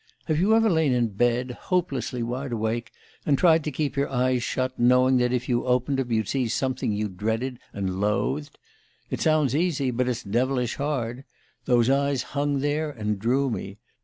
Have you ever lain in bed, hopelessly wide awake, and tried to keep your eyes shut, knowing that if you opened 'em you'd see something you dreaded and loathed? It sounds easy, but it's devilish hard. Those eyes hung there and drew me.